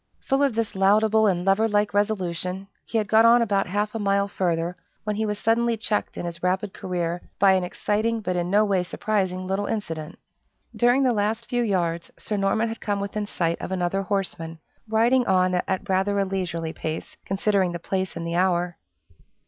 Full of this laudable and lover like resolution, he had got on about half a mile further, when he was suddenly checked in his rapid career by an exciting, but in no way surprising, little incident. During the last few yards, Sir Norman had come within sight of another horseman, riding on at rather a leisurely pace, considering the place and the hour.